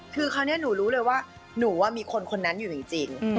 คือคราวนี้หนูรู้เลยว่าหนูมีคนคนนั้นอยู่จริง